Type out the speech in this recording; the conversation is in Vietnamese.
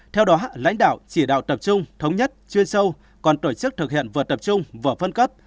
theo đó lãnh đạo chỉ đạo tập trung thống nhất chuyên sâu còn tổ chức thực hiện vừa tập trung vừa phân cấp